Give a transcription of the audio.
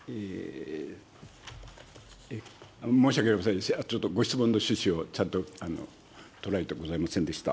申し訳ございません、ちょっとご質問の趣旨をちゃんと捉えてございませんでした。